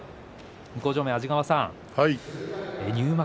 向正面、安治川さん入幕